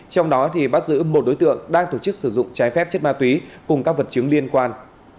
trong đó bắt giữ một đối tượng đang tổ chức sử dụng trái phép chất ma túy cùng các vật chứng liên quan